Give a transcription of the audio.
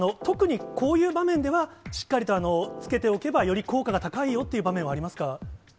特にこういう場面ではしっかりと着けておけば、より効果が高いよという場面はありますか？